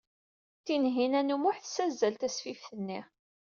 Tinhinan u Muḥ tessazzel tasfift-nni.